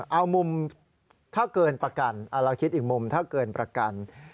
เอามุมถ้าเกินประกันเราคิดอีกมุมถ้าเกินประกัน